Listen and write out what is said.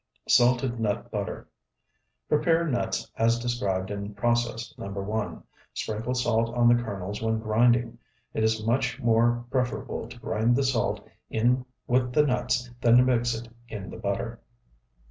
SALTED NUT BUTTER Prepare nuts as described in process No. 1. Sprinkle salt on the kernels when grinding. It is much more preferable to grind the salt in with the nuts than to mix it in the butter.